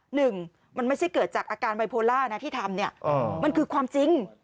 หนึ่งมันไม่ใช่เกิดจากอาการไบโพล่านะที่ทำเนี่ยมันคือความจริง